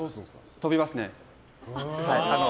跳びますね。